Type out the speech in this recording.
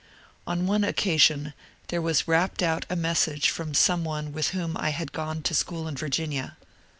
On one occasion there was rapped out a message from some one with whom I had gone to school in Virginia.